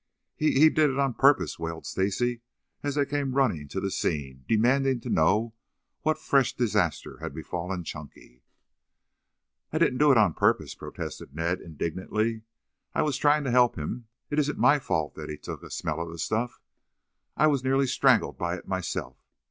"He he did it on purpose," wailed Stacy as they came running to the scene demanding to know what fresh disaster had befallen Chunky. "I didn't do it on purpose," protested Ned indignantly. "I was trying to help him. It isn't my fault that he took a smell of the stuff. I was nearly strangled by it myself.